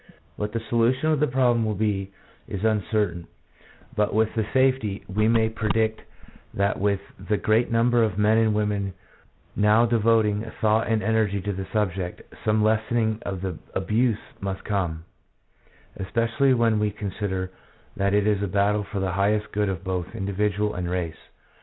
What the solution of the problem will be is un certain, but with safety we may predict that with the great number of men and women now devoting thought and energy to the subject, some lessening of the abuse must come, especially when we con sider that it is a battle for the highest good of both individual and race.